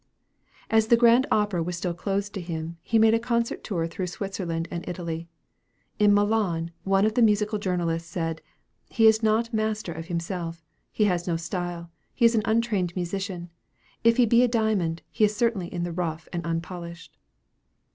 As the Grand Opera was still closed to him, he made a concert tour through Switzerland and Italy. In Milan, one of the musical journals said, "He is not master of himself; he has no style; he is an untrained musician. If he be a diamond, he is certainly in the rough and unpolished."